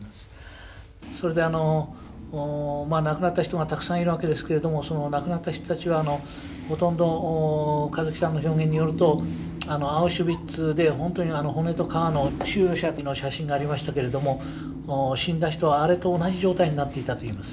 それであの亡くなった人がたくさんいるわけですけれどもその亡くなった人たちはほとんど香月さんの表現によるとアウシュビッツで本当に骨と皮の収容者の写真がありましたけれども死んだ人はあれと同じ状態になっていたといいます。